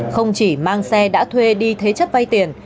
không chỉ mang xe đã thuê đi thế chấp vay tiền